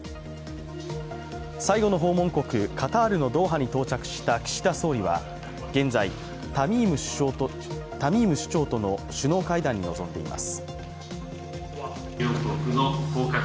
最後の訪問国、カタールのドーハに到着した岸田総理は現在、タミーム首長との首脳会談に臨んでいます。